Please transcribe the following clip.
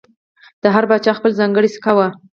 د هر پاچا خپله ځانګړې سکه وه